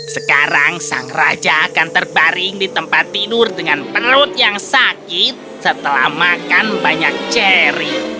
sekarang sang raja akan terbaring di tempat tidur dengan pelut yang sakit setelah makan banyak ceri